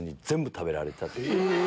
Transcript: え！